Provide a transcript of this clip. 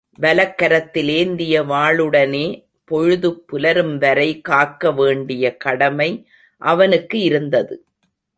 வலக்கரத்தில் ஏந்திய வாளுடனே பொழுது புலரும்வரை காக்க வேண்டிய கடமை அவனுக்கு இருந்தது.